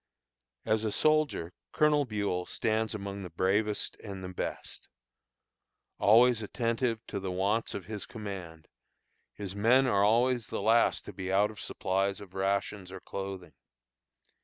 As a soldier, Colonel Buel stands among the bravest and the best. Always attentive to the wants of his command, his men are always the last to be out of supplies of rations or clothing.